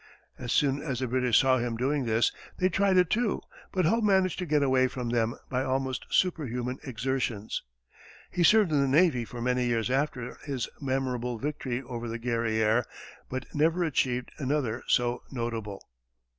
As soon as the British saw him doing this, they tried it too, but Hull managed to get away from them by almost superhuman exertions. He served in the navy for many years after his memorable victory over the Guerrière, but never achieved another so notable.